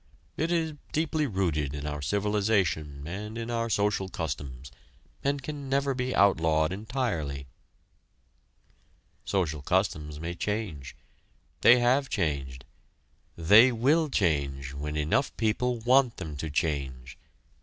It is deeply rooted in our civilization and in our social customs, and can never be outlawed entirely." Social customs may change. They have changed. They will change when enough people want them to change.